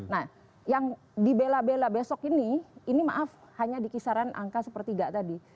nah yang dibela bela besok ini ini maaf hanya di kisaran angka sepertiga tadi